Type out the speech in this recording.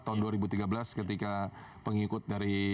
tahun dua ribu tiga belas ketika pengikut dari